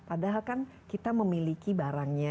padahal kan kita memiliki barangnya